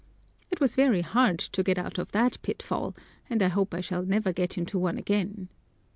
It was very hard to get out of that pitfall, and I hope I shall never get into one again.